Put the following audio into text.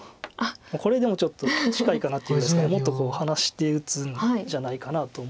これでもちょっと近いかなというもっとこう離して打つんじゃないかなと思います。